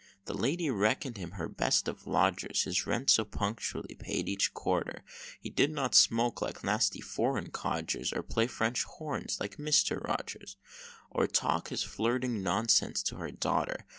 The Lady reckon'd him her best of lodgers, His rent so punctually paid each quarter, He did not smoke like nasty foreign codgers Or play French horns like Mr. Rogers Or talk his flirting nonsense to her daughter.